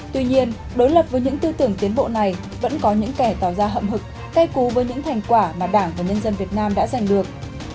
tuy nhiên đối lập với những tư tưởng tiến bộ này vẫn có những kẻ tỏ ra hậm hực cay cú với những thành quả mà đảng và nhân dân việt nam đã giành được